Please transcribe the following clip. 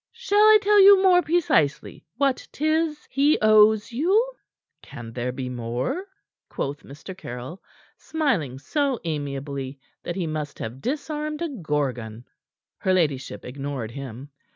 "Shall I tell you more precisely what 'tis he owes you?" "Can there be more?" quoth Mr. Caryll, smiling so amiably that he must have disarmed a Gorgon. Her ladyship ignored him.